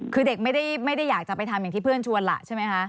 คือเด็กไม่ได้อยากจะไปทำอย่างที่เพื่อนชวนล่ะใช่ไหมคะ